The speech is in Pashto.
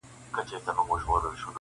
او نسلونه يې يادوي تل تل,